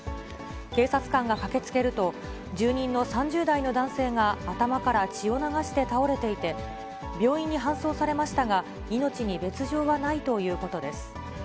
警察官が駆けつけると、住人の３０代の男性が頭から血を流して倒れていて、病院に搬送されましたが、命に別状はないということです。